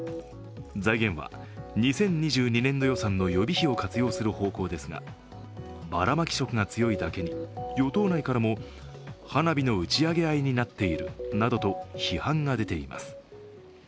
財源は、２０２２年度予算の予備費を活用する方向ですがバラマキ色が強いだけに与党内からも花火の打ち上げ合いになっているなどと批判が出ています。